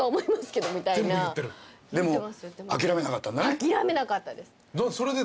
諦めなかったです。